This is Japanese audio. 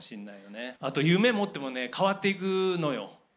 あと夢持ってもね変わっていくのよ。